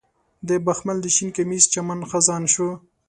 د بخمل د شین کمیس چمن خزان شو